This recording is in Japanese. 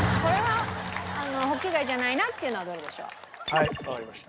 はいわかりました。